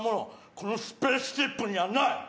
このスペースシップにはない。